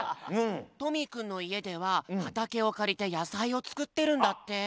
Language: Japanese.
トミーくんのいえでははたけをかりてやさいをつくってるんだって。